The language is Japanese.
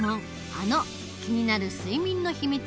あの気になる睡眠のひみつ